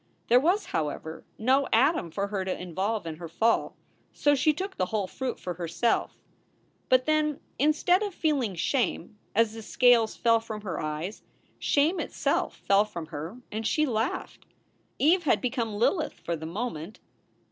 There was, however, no Adam for her to involve in her fall; so she took the whole fruit for herself. But then, 174 SOULS FOR SALE instead of feeling shame as the scales fell from her eyes, shame itself fell from her and she laughed. Eve had become Lilith for the moment.